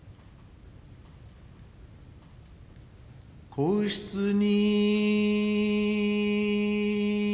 「皇室に」